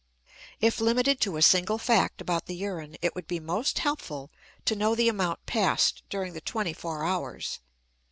If limited to a single fact about the urine, it would be most helpful to know the amount passed during the twenty four hours.